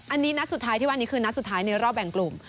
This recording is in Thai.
อันนี้นัดสุดท้ายที่ว่านี้คือนัดสุดท้ายในรอบแบ่งกลุ่ม